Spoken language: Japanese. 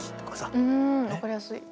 うん分かりやすい。